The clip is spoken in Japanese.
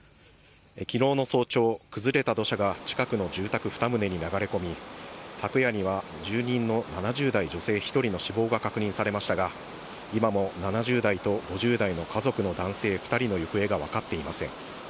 きのうの早朝、崩れた土砂が近くの住宅２棟に流れ込み、昨夜には住人の７０代の女性１人の死亡が確認されましたが、今も７０代と５０代の家族の男性２人の行方が分かっていません。